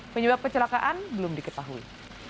penyebab kecelakaan belum diketahui